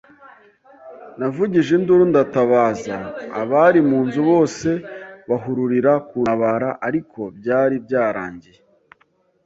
Navugije induru ndatabaza, abari mu nzu bose bahururira kuntabara ariko byari byarangiye.